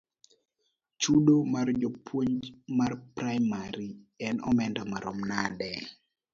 Chudo mar japuonj mar praimari en omenda maromo nade?